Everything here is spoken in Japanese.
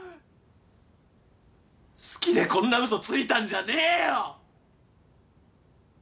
好きでこんな嘘ついたんじゃねえよ！